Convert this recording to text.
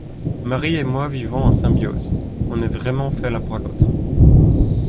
Marie et moi vivons en symbiose, on est vraiment fait l'un pour l'autre.